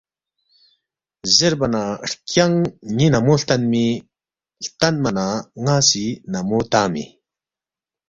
زیربا نہ ہرکیانگ ن٘ی نمو ہلتنمی ہلتنما نہ ن٘ا سی نمو تنگمی